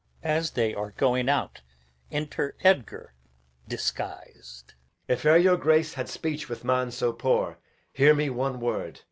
[As they are going out,] enter Edgar [disguised]. Edg. If e'er your Grace had speech with man so poor, Hear me one word.